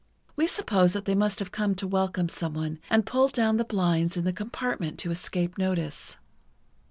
We supposed that they must have come to welcome someone and pulled down the blinds in the compartment to escape notice.